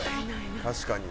確かに。